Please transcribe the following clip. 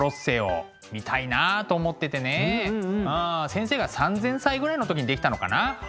先生が３，０００歳ぐらいの時に出来たのかな。